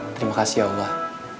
terima kasih ya allah